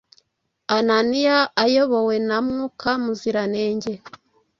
Ananiya ayobowe na Mwuka Muziranenge